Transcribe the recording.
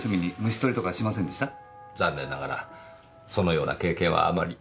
残念ながらそのような経験はあまり。